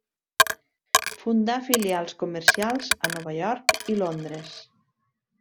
Fundà filials comercials a Nova York i Londres.